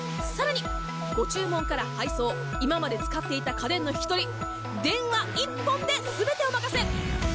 更に、ご注文から配送、今まで使っていた家電の引き取り電話１本で全てお任せ。